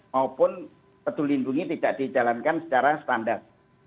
maupun pedulindungi tidak dijalankan secara standar